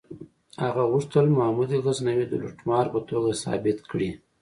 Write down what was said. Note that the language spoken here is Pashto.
هغه غوښتل محمود غزنوي د لوټمار په توګه ثابت کړي.